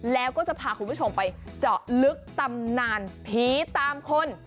แล้วก็จะพาคุณผู้ชมไปเจาะลึกตำนานผีตามคน